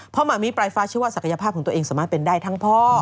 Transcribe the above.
หมามิปลายฟ้าชื่อว่าศักยภาพของตัวเองสามารถเป็นได้ทั้งพ่อ